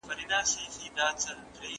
همداسي د الزخرف سورت په{حم} شروع سوی دی.